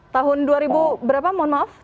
tahun dua ribu berapa mohon maaf